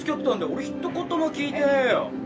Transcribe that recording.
俺ひと言も聞いてねぇよ。